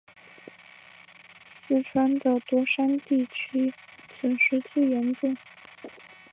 四川的多山地区损失最严重。